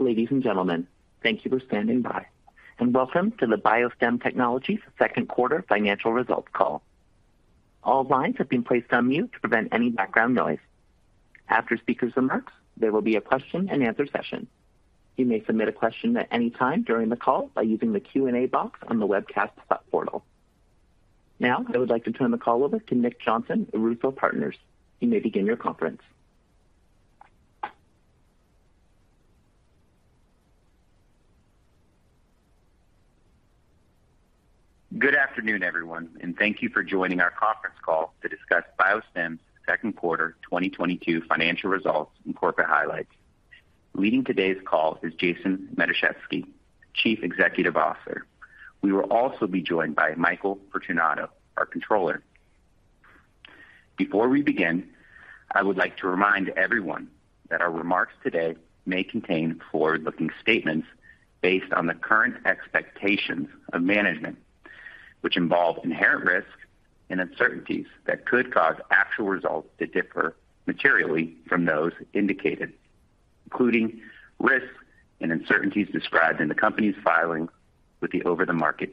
Ladies and gentlemen, thank you for standing by, and welcome to the BioStem Technologies second quarter financial results call. All lines have been placed on mute to prevent any background noise. After speakers' remarks, there will be a question and answer session. You may submit a question at any time during the call by using the Q&A box on the webcast portal. Now, I would like to turn the call over to Nick Johnson of Russo Partners. You may begin your conference. Good afternoon, everyone, and thank you for joining our conference call to discuss BioStem's second quarter 2022 financial results and corporate highlights. Leading today's call is Jason Matuszewski, Chief Executive Officer. We will also be joined by Michael Fortunato, our Controller. Before we begin, I would like to remind everyone that our remarks today may contain forward-looking statements based on the current expectations of management, which involve inherent risks and uncertainties that could cause actual results to differ materially from those indicated, including risks and uncertainties described in the company's filings with the SEC.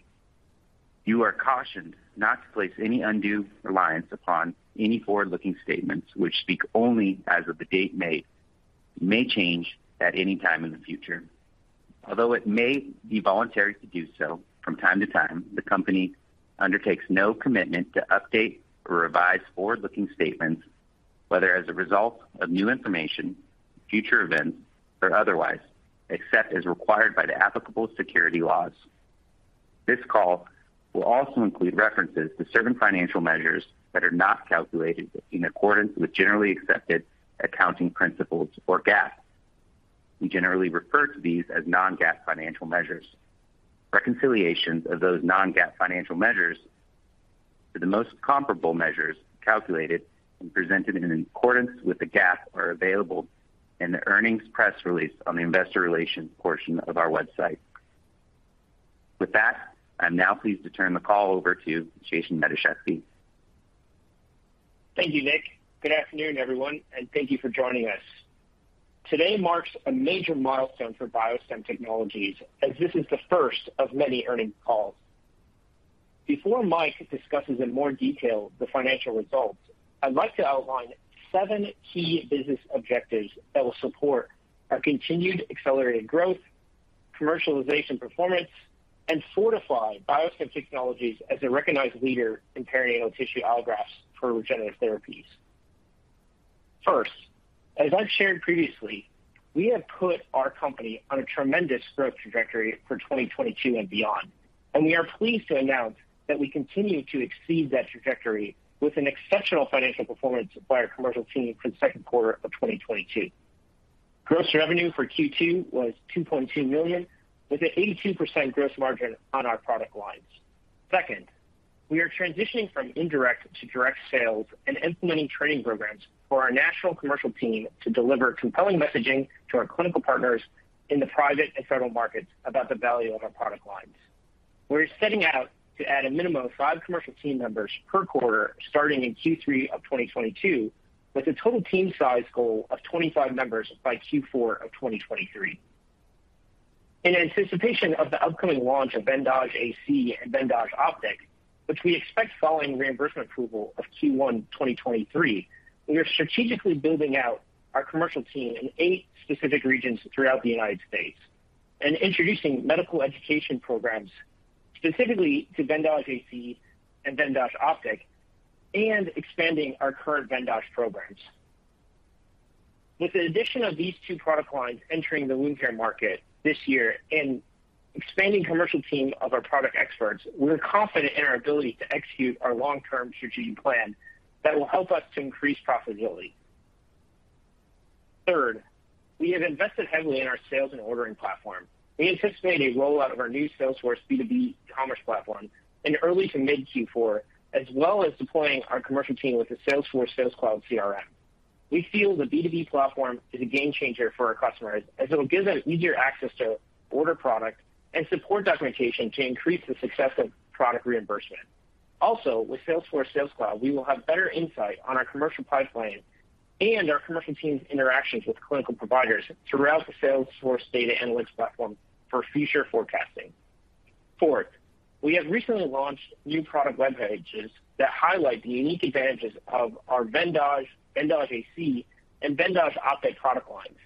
You are cautioned not to place any undue reliance upon any forward-looking statements which speak only as of the date made, may change at any time in the future. Although it may be voluntary to do so from time to time, the company undertakes no commitment to update or revise forward-looking statements, whether as a result of new information, future events, or otherwise, except as required by the applicable securities laws. This call will also include references to certain financial measures that are not calculated in accordance with generally accepted accounting principles or GAAP. We generally refer to these as non-GAAP financial measures. Reconciliations of those non-GAAP financial measures to the most comparable measures calculated and presented in accordance with the GAAP are available in the earnings press release on the investor relations portion of our website. With that, I'm now pleased to turn the call over to Jason Matuszewski. Thank you, Nick. Good afternoon, everyone, and thank you for joining us. Today marks a major milestone for BioStem Technologies as this is the first of many earnings calls. Before Mike discusses in more detail the financial results, I'd like to outline seven key business objectives that will support our continued accelerated growth, commercialization performance, and fortify BioStem Technologies as a recognized leader in perinatal tissue allografts for regenerative therapies. First, as I've shared previously, we have put our company on a tremendous growth trajectory for 2022 and beyond, and we are pleased to announce that we continue to exceed that trajectory with an exceptional financial performance by our commercial team for the second quarter of 2022. Gross revenue for Q2 was $2.2 million, with an 82% gross margin on our product lines. Second, we are transitioning from indirect to direct sales and implementing training programs for our national commercial team to deliver compelling messaging to our clinical partners in the private and federal markets about the value of our product lines. We're setting out to add a minimum of five commercial team members per quarter starting in Q3 of 2022, with a total team size goal of 25 members by Q4 of 2023. In anticipation of the upcoming launch of VENDAJE AC and VENDAJE OPTIC, which we expect following reimbursement approval of Q1 2023, we are strategically building out our commercial team in 8 specific regions throughout the United States and introducing medical education programs specifically to VENDAJE AC and VENDAJE OPTIC and expanding our current VENDAJE programs. With the addition of these two product lines entering the wound care market this year and expanding commercial team of our product experts, we're confident in our ability to execute our long-term strategy plan that will help us to increase profitability. Third, we have invested heavily in our sales and ordering platform. We anticipate a rollout of our new Salesforce B2B commerce platform in early to mid Q4, as well as deploying our commercial team with the Salesforce Sales Cloud CRM. We feel the B2B platform is a game changer for our customers as it'll give them easier access to order product and support documentation to increase the success of product reimbursement. Also, with Salesforce Sales Cloud, we will have better insight on our commercial pipeline and our commercial team's interactions with clinical providers throughout the Salesforce data analytics platform for future forecasting. Fourth, we have recently launched new product web pages that highlight the unique advantages of our VENDAJE AC, and VENDAJE OPTIC product lines.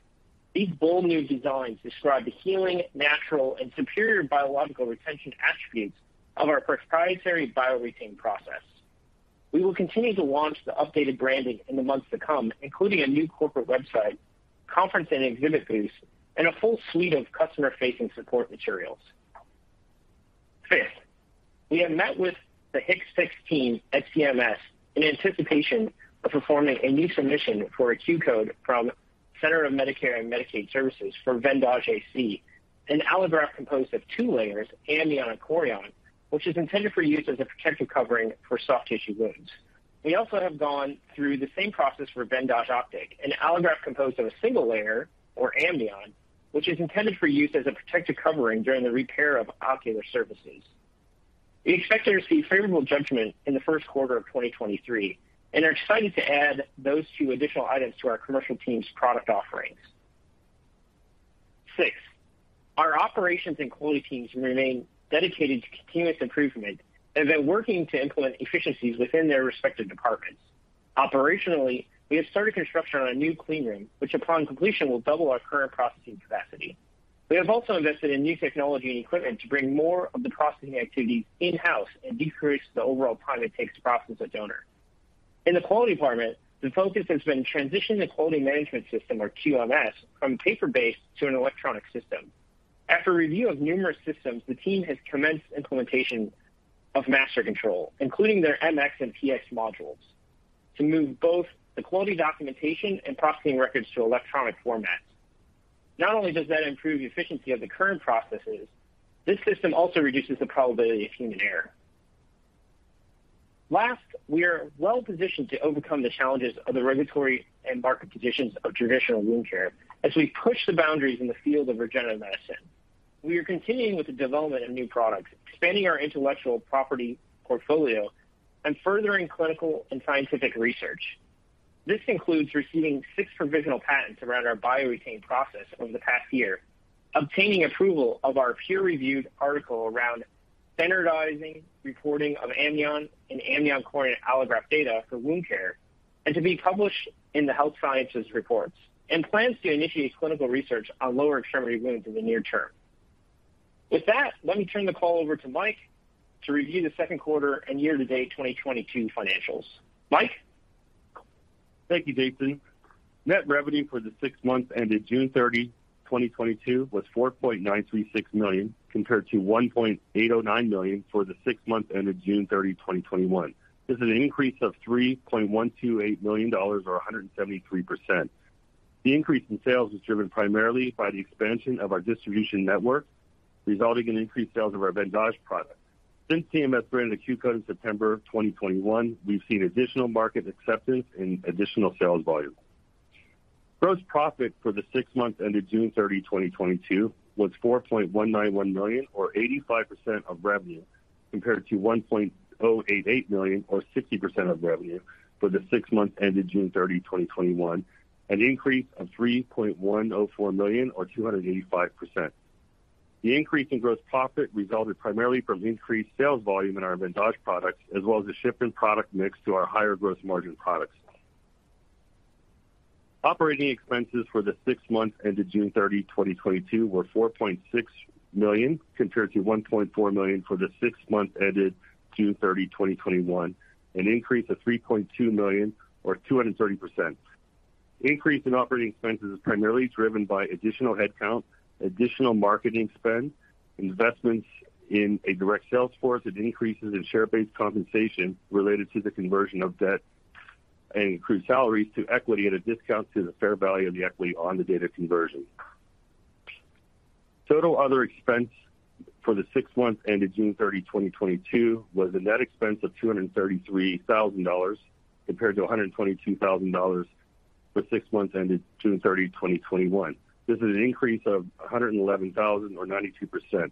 These bold new designs describe the healing, natural, and superior biological retention attributes of our proprietary BioREtain process. We will continue to launch the updated branding in the months to come, including a new corporate website, conference and exhibit booths, and a full suite of customer-facing support materials. Fifth, we have met with the HICS-16 at CMS in anticipation of performing a new submission for a Q-code from Centers for Medicare & Medicaid Services for VENDAJE AC, an allograft composed of two layers, amnion and chorion, which is intended for use as a protective covering for soft tissue wounds. We also have gone through the same process for VENDAJE OPTIC, an allograft composed of a single layer or amnion, which is intended for use as a protective covering during the repair of ocular surfaces. We expect to receive favorable judgment in the first quarter of 2023 and are excited to add those two additional items to our commercial team's product offerings. Six, our operations and quality teams remain dedicated to continuous improvement and have been working to implement efficiencies within their respective departments. Operationally, we have started construction on a new clean room, which, upon completion, will double our current processing capacity. We have also invested in new technology and equipment to bring more of the processing activities in-house and decrease the overall time it takes to process a donor. In the quality department, the focus has been transitioning the quality management system, or QMS, from paper-based to an electronic system. After review of numerous systems, the team has commenced implementation of MasterControl, including their MX and TX modules, to move both the quality documentation and processing records to electronic format. Not only does that improve the efficiency of the current processes, this system also reduces the probability of human error. Last, we are well-positioned to overcome the challenges of the regulatory and market conditions of traditional wound care as we push the boundaries in the field of regenerative medicine. We are continuing with the development of new products, expanding our intellectual property portfolio and furthering clinical and scientific research. This includes receiving six provisional patents around our BioREtain process over the past year, obtaining approval of our peer-reviewed article around standardizing reporting of amnion and amnion-chorion allograft data for wound care, and to be published in the Health Sciences Reports, and plans to initiate clinical research on lower extremity wounds in the near term. With that, let me turn the call over to Mike to review the second quarter and year-to-date 2022 financials. Mike? Thank you, Jason. Net revenue for the six months ended June 30, 2022 was $4.936 million, compared to $1.809 million for the six months ended June 30, 2021. This is an increase of $3.128 million or 173%. The increase in sales was driven primarily by the expansion of our distribution network, resulting in increased sales of our VENDAJE product. Since CMS granted a Q-code in September 2021, we've seen additional market acceptance and additional sales volume. Gross profit for the six months ended June 30, 2022 was $4.191 million or 85% of revenue, compared to $1.088 million or 60% of revenue for the six months ended June 30, 2021. An increase of $3.104 million or 285%. The increase in gross profit resulted primarily from increased sales volume in our VENDAJE products, as well as a shift in product mix to our higher gross margin products. Operating expenses for the six months ended June 30, 2022 were $4.6 million, compared to $1.4 million for the six months ended June 30, 2021. An increase of $3.2 million or 230%. Increase in operating expenses is primarily driven by additional headcount, additional marketing spend, investments in a direct sales force, and increases in share-based compensation related to the conversion of debt and accrued salaries to equity at a discount to the fair value of the equity on the date of conversion. Total other expense for the six months ended June 30, 2022 was a net expense of $233,000 compared to $122,000 for six months ended June 30, 2021. This is an increase of $111,000 or 92%.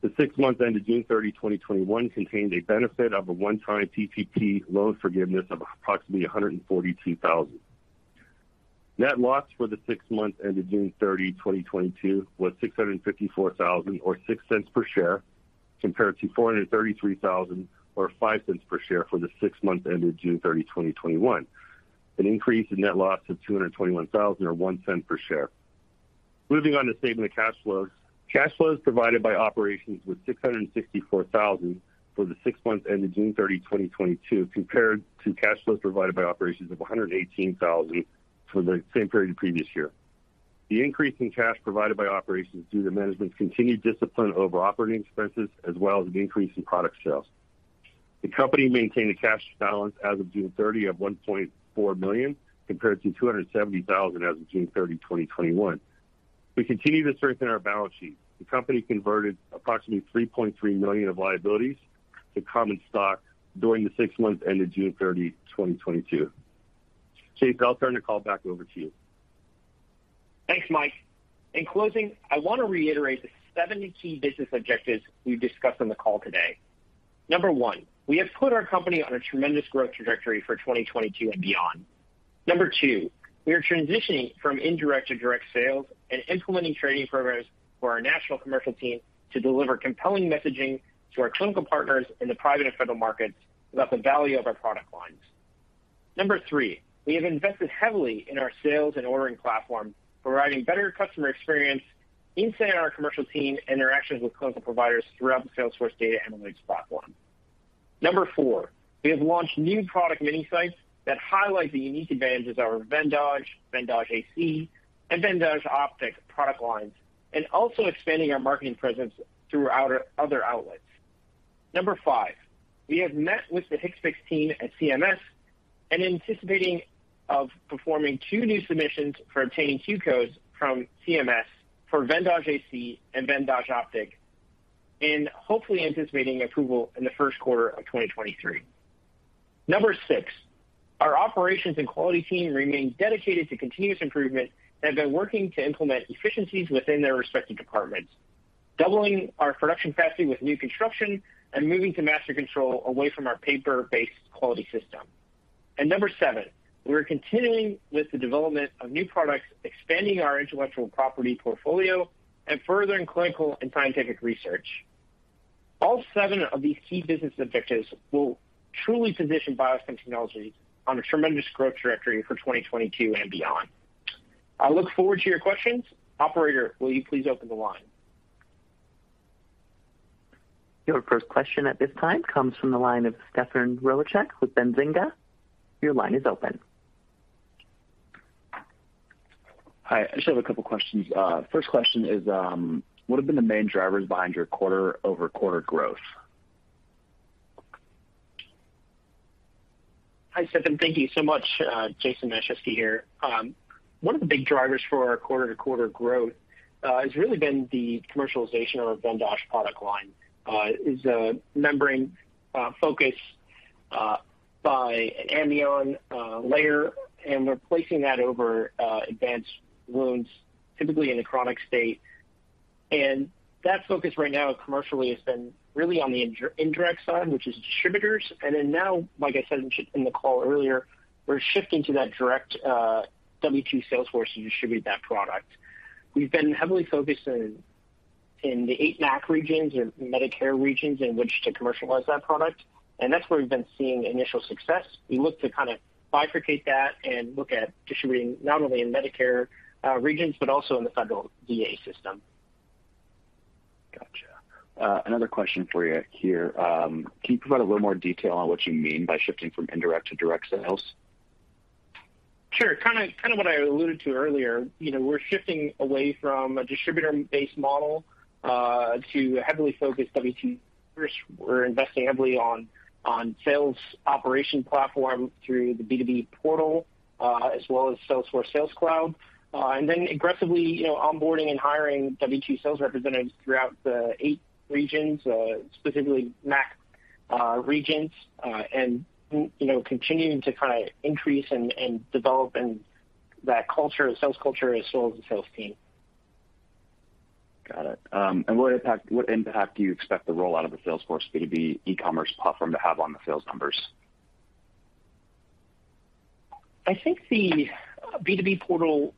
The six months ended June 30, 2021 contained a benefit of a one-time PPP loan forgiveness of approximately $142,000. Net loss for the six months ended June 30, 2022 was $654,000 or $0.06 per share, compared to $433,000 or $0.05 per share for the six months ended June 30, 2021. An increase in net loss of $221,000 or $0.01 per share. Moving on to statement of cash flows. Cash flows provided by operations was $664,000 for the six months ended June 30, 2022, compared to cash flows provided by operations of $118,000 for the same period the previous year. The increase in cash provided by operations is due to management's continued discipline over operating expenses as well as an increase in product sales. The company maintained a cash balance as of June 30 of $1.4 million, compared to $270,000 as of June 30, 2021. We continue to strengthen our balance sheet. The company converted approximately $3.3 million of liabilities to common stock during the six months ended June 30, 2022. Jason, I'll turn the call back over to you. Thanks, Mike. In closing, I want to reiterate the seven key business objectives we've discussed on the call today. Number one, we have put our company on a tremendous growth trajectory for 2022 and beyond. Number two, we are transitioning from indirect to direct sales and implementing training programs for our national commercial team to deliver compelling messaging to our clinical partners in the private and federal markets about the value of our product lines. Number three, we have invested heavily in our sales and ordering platform, providing better customer experience inside our commercial team interactions with clinical providers throughout the Salesforce data analytics platform. Number four, we have launched new product mini sites that highlight the unique advantages of our VENDAJE AC, and VENDAJE OPTIC product lines, and also expanding our marketing presence through our other outlets. Number five, we have met with the HICS-16 at CMS and anticipating of performing two new submissions for obtaining Q-codes from CMS for VENDAJE AC and VENDAJE OPTIC, and hopefully anticipating approval in the first quarter of 2023. Number six, our operations and quality team remain dedicated to continuous improvement and have been working to implement efficiencies within their respective departments, doubling our production capacity with new construction and moving to MasterControl away from our paper-based quality system. Number seven, we're continuing with the development of new products, expanding our intellectual property portfolio, and furthering clinical and scientific research. All seven of these key business objectives will truly position BioStem Technologies on a tremendous growth trajectory for 2022 and beyond. I look forward to your questions. Operator, will you please open the line? Your first question at this time comes from the line of Stefan Rohacek with Benzinga. Your line is open. Hi. I just have a couple questions. First question is, what have been the main drivers behind your quarter-over-quarter growth? Hi, Stefan. Thank you so much. Jason Matuszewski here. One of the big drivers for our quarter-to-quarter growth has really been the commercialization of our VENDAJE product line, is a membrane, focused, by an amnion, layer, and we're placing that over advanced wounds typically in a chronic state. That focus right now commercially has been really on the indirect side, which is distributors. Then now, like I said in the call earlier, we're shifting to that direct, W-2 sales force to distribute that product. We've been heavily focused in the eight MAC regions or Medicare regions in which to commercialize that product, and that's where we've been seeing initial success. We look to kinda bifurcate that and look at distributing not only in Medicare regions but also in the federal VA system. Gotcha. Another question for you here. Can you provide a little more detail on what you mean by shifting from indirect to direct sales? Sure. Kinda what I alluded to earlier. You know, we're shifting away from a distributor-based model to a heavily focused W-2. First, we're investing heavily on sales operation platform through the B2B portal as well as Salesforce Sales Cloud, and then aggressively, you know, onboarding and hiring W-2 sales representatives throughout the eight regions, specifically MAC regions, and you know, continuing to kinda increase and develop that culture, sales culture as well as the sales team. Got it. What impact do you expect the rollout of the Salesforce B2B e-commerce platform to have on the sales numbers? I think the B2B portal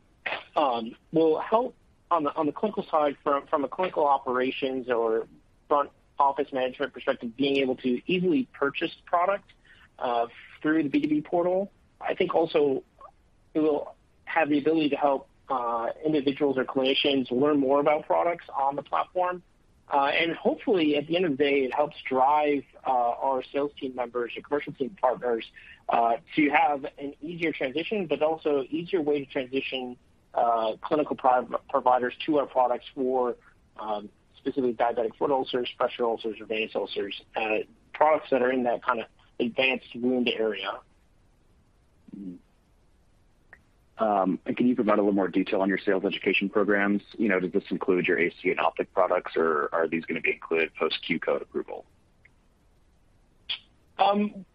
will help on the clinical side from a clinical operations or front office management perspective, being able to easily purchase the product through the B2B portal. I think also it will have the ability to help individuals or clinicians learn more about products on the platform. Hopefully, at the end of the day, it helps drive our sales team members and commercial team partners to have an easier transition, but also easier way to transition clinical providers to our products for specifically diabetic foot ulcers, pressure ulcers, venous ulcers, products that are in that kinda advanced wound area. Can you provide a little more detail on your sales education programs? You know, does this include your AC and OPTIC products, or are these gonna be included post Q-code approval?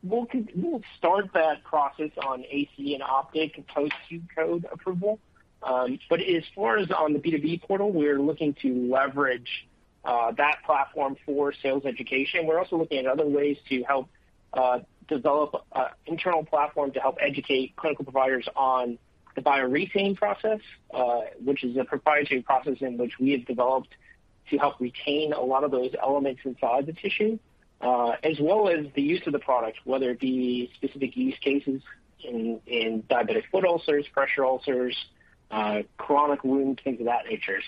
We'll start that process on VENDAJE AC and VENDAJE OPTIC post Q-code approval. As far as the B2B portal, we're looking to leverage that platform for sales education. We're also looking at other ways to help develop an internal platform to help educate clinical providers on the BioREtain process, which is a proprietary process in which we have developed to help retain a lot of those elements inside the tissue, as well as the use of the product, whether it be specific use cases in diabetic foot ulcers, pressure ulcers, chronic wounds, things of that nature.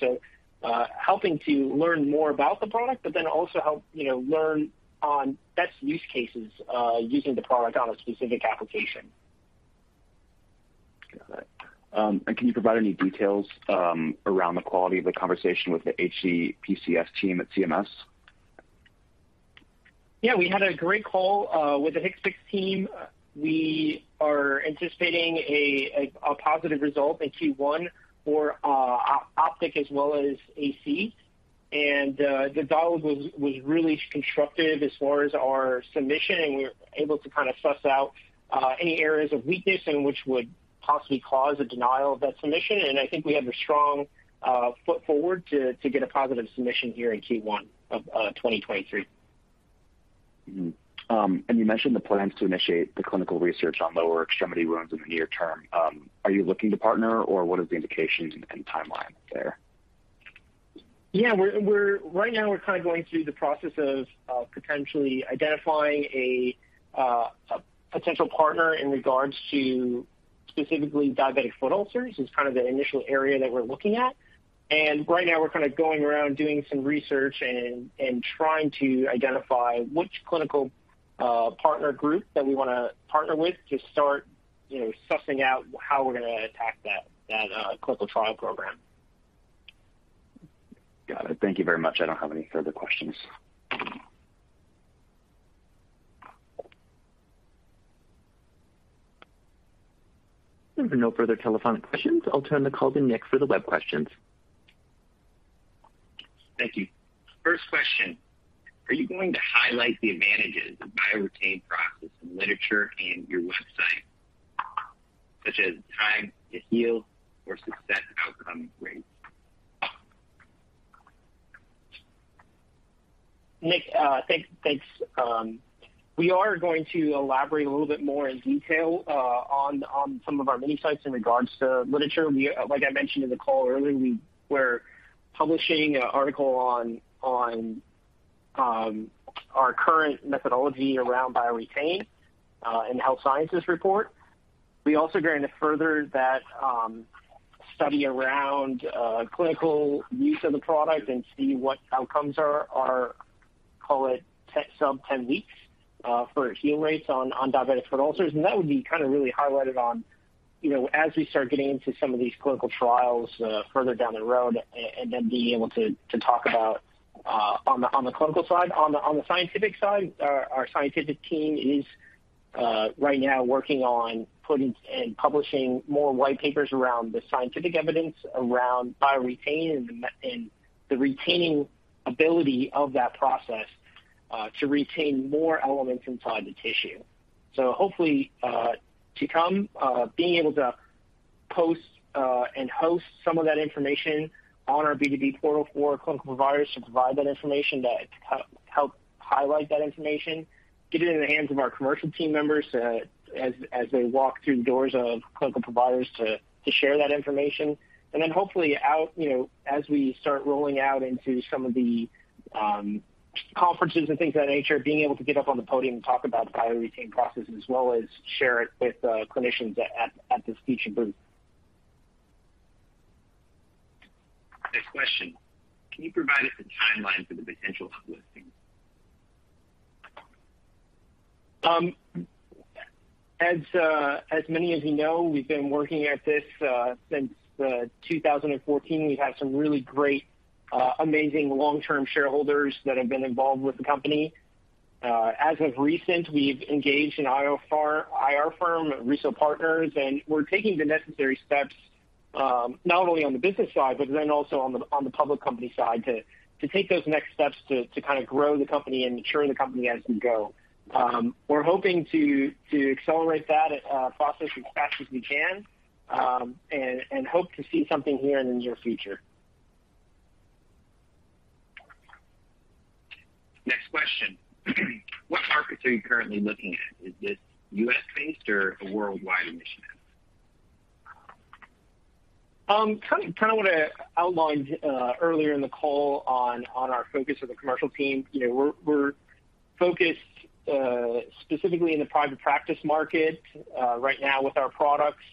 Helping to learn more about the product, but then also help, you know, learn on best use cases using the product on a specific application. Got it. Can you provide any details around the quality of the conversation with the HCPCS team at CMS? Yeah. We had a great call with the HCPCS team. We are anticipating a positive result in Q1 for OPTIC as well as AC. The dialogue was really constructive as far as our submission, and we were able to kinda suss out any areas of weakness and which would possibly cause a denial of that submission. I think we have a strong foot forward to get a positive submission here in Q1 of 2023. You mentioned the plans to initiate the clinical research on lower extremity wounds in the near term. Are you looking to partner, or what is the indication and timeline there? Yeah. Right now we're kinda going through the process of potentially identifying a potential partner in regards to specifically diabetic foot ulcers. It's kind of the initial area that we're looking at. Right now we're kinda going around doing some research and trying to identify which clinical partner group that we wanna partner with to start, you know, sussing out how we're gonna attack that clinical trial program. Got it. Thank you very much. I don't have any further questions. There are no further telephonic questions. I'll turn the call to Nick for the web questions. Thank you. First question, are you going to highlight the advantages of BioREtain process in literature and your website, such as time to heal or success outcome rates? Nick, thanks. We are going to elaborate a little bit more in detail on some of our mini sites in regards to literature. Like I mentioned in the call earlier, we were publishing an article on our current methodology around BioREtain in Health Sciences Reports. We also going to further that study around clinical use of the product and see what outcomes are, call it, sub-10 weeks for healing rates on diabetic foot ulcers. That would be kind of really highlighted on, you know, as we start getting into some of these clinical trials further down the road and then being able to talk about on the clinical side. On the scientific side, our scientific team is right now working on putting and publishing more white papers around the scientific evidence around BioREtain and the retaining ability of that process to retain more elements inside the tissue. Hopefully to come, being able to post and host some of that information on our B2B portal for clinical providers to provide that information to help highlight that information, get it in the hands of our commercial team members, as they walk through the doors of clinical providers to share that information. Then hopefully out, you know, as we start rolling out into some of the conferences and things of that nature, being able to get up on the podium and talk about BioREtain processes as well as share it with clinicians at this teaching booth. Next question. Can you provide us a timeline for the potential of listing? As many of you know, we've been working at this since 2014. We've had some really great amazing long-term shareholders that have been involved with the company. As of recent, we've engaged an IR firm, Russo Partners, and we're taking the necessary steps not only on the business side, but then also on the public company side to take those next steps to kind of grow the company and mature the company as we go. We're hoping to accelerate that process as fast as we can and hope to see something here in the near future. Next question. What markets are you currently looking at? Is this U.S.-based or a worldwide initiative? Kind of what I outlined earlier in the call on our focus of the commercial team. You know, we're focused specifically in the private practice market right now with our products,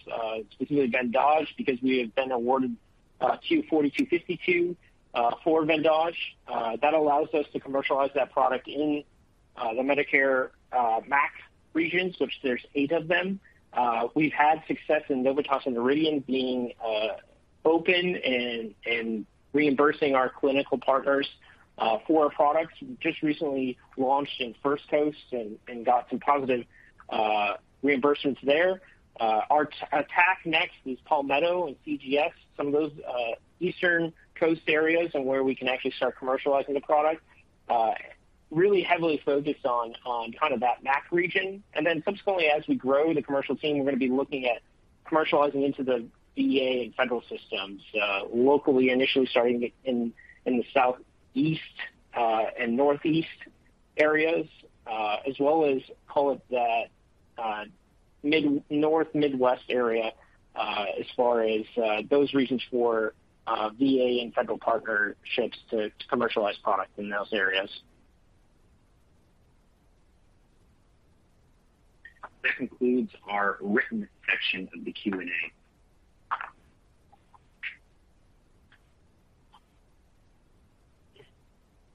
specifically VENDAJE because we have been awarded Q4252 for VENDAJE. That allows us to commercialize that product in the Medicare MAC regions, which there are eight of them. We've had success in Novitas and Noridian being open and reimbursing our clinical partners for our products. We just recently launched in First Coast and got some positive reimbursements there. Our next attack is Palmetto and CGS, some of those eastern coast areas and where we can actually start commercializing the product, really heavily focused on kind of that MAC region. Subsequently, as we grow the commercial team, we're gonna be looking at commercializing into the VA and federal systems, locally, initially starting in the Southeast and Northeast areas, as well as Midwest area, as far as those regions for VA and federal partnerships to commercialize product in those areas. That concludes our written section of the Q&A.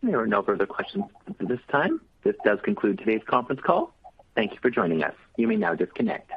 There are no further questions at this time. This does conclude today's conference call. Thank you for joining us. You may now disconnect.